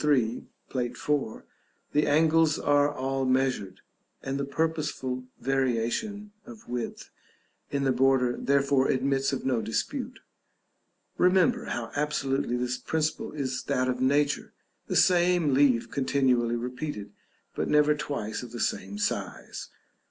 3, Plate IV., the angles are all measured, and the purposeful variation of width in the border therefore admits of no dispute. Remember how absolutely this principle is that of nature; the same leaf continually repeated, but never twice of the same size.